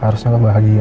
harusnya lo bahagia